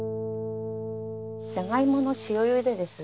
じゃがいもの塩ゆでです。